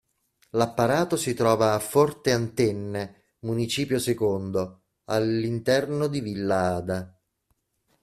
L'apparato si trova a Forte Antenne, Municipio II, all'interno di Villa Ada.